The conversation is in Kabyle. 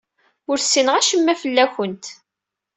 Ur ssineɣ acemma fell-awent.